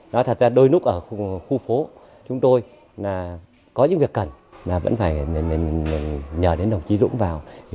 nói thật ra đôi lúc ở khu phố chúng tôi là có những việc cần là vẫn phải nhờ đến đồng chí dũng vào